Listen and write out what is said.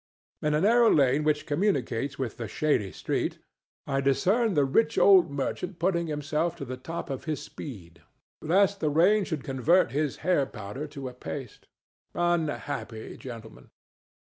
In a narrow lane which communicates with the shady street I discern the rich old merchant putting himself to the top of his speed lest the rain should convert his hair powder to a paste. Unhappy gentleman!